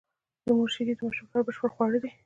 د مور شېدې د ماشوم لپاره بشپړ خواړه دي.